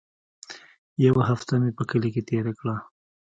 يوه هفته مې په کلي کښې تېره کړه.